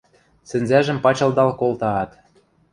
Сӹнзӓжӹм пачылдал колтаат: